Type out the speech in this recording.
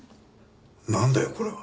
なんだよこれは。